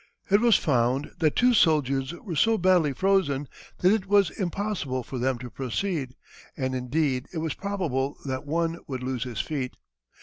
It was found that two soldiers were so badly frozen that it was impossible for them to proceed, and indeed it was probable that one would lose his feet.